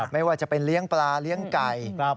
ไม่ว่าจะเป็นเลี้ยงปลาเลี้ยงไก่